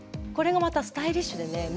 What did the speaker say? これがまたスタイリッシュでね